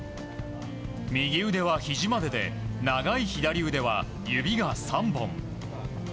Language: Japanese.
右腕はひじまでで、長い左腕は指が３本。